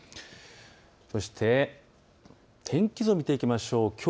そして天気図を見ていきましょう。